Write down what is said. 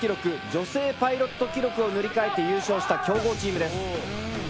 女性パイロット記録を塗り替えて優勝した強豪チームです。